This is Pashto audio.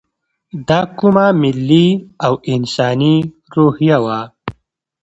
دا کومه ملي او انساني روحیه وه.